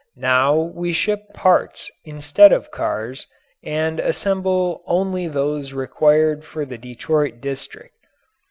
Now we ship parts instead of cars and assemble only those required for the Detroit district.